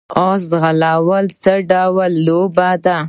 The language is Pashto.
اس ځغلول څه ډول لوبه ده؟